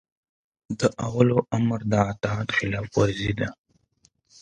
د اولوامر د اطاعت خلاف ورزي ده